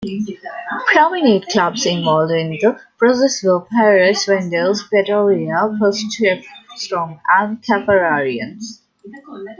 Prominent clubs involved in the process were Pirates, Wanderers, Pretoria, Potchefstroom and Kaffrarians.